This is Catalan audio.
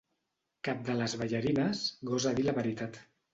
Cap de les ballarines gosa dir la veritat.